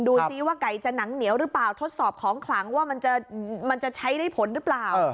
ดูซิว่าไก่จะหนังเหนียวหรือเปล่าทดสอบของขลังว่ามันจะใช้ได้ผลหรือเปล่า